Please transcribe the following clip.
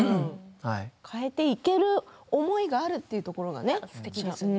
変えていける思いがあるというところがすてきですよね。